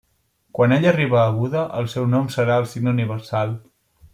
Quan ell arriba a buda el seu nom serà el Signe Universal.